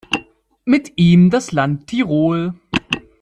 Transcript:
Mit ihm das Land Tirol.